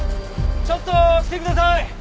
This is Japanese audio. ちょっと来てください！